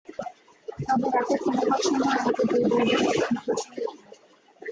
তবে রাতে ঘুমুবার সময় আমাদের দুই ভাইবোনকে দুপাশে নিয়ে ঘুমুতেন।